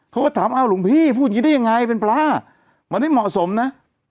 เขาก็ถามอ้าวหลวงพี่พูดอย่างนี้ได้ยังไงเป็นพระมันไม่เหมาะสมนะ